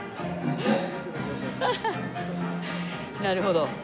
なるほど。